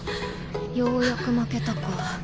ようやくまけたか。